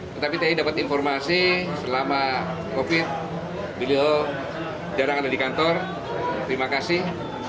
tetapi tadi dapat informasi selama covid beliau jarang ada di kantor terima kasih